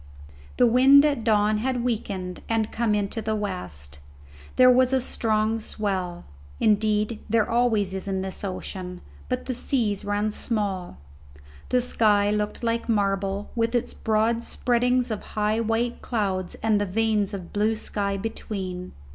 The wind at dawn had weakened and come into the west. There was a strong swell indeed there always is in this ocean but the seas ran small. The sky looked like marble, with its broad spreadings of high white clouds and the veins of blue sky between.